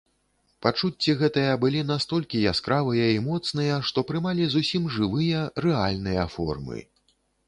Пачуцці гэтыя былі настолькі яскравыя і моцныя, што прымалі зусім жывыя рэальныя формы.